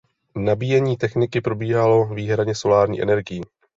Nabíjení techniky probíhalo výhradně solární energií.